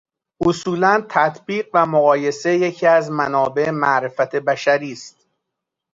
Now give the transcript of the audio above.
اصولاً تطبیق و مقایسه یکی از منابع معرفت بشری است